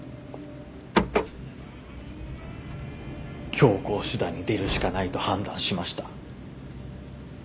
強硬手段に出るしかないと判断しました。